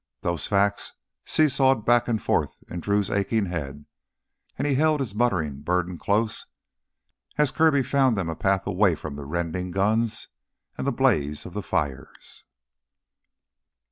Those facts seesawed back and forth in Drew's aching head, and he held his muttering burden close as Kirby found them a path away from the rending guns and the blaze of the fires.